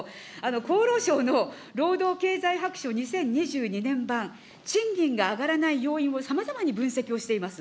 厚労省の労働経済白書２０２２年版、賃金が上がらない要因を、さまざまに分析をしています。